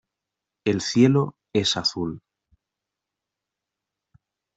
El cielo es azul.